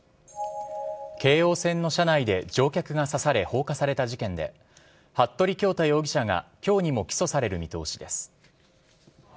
京王線の車内で乗客が刺され放火された事件で服部恭太容疑者が今日にも起訴される見通しです。